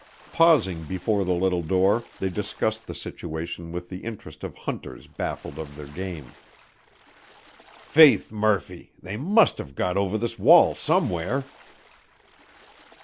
Pausing before the little door, they discussed the situation with the interest of hunters baffled of their game. "Faith, Murphy, they must have got over this wall somewhere."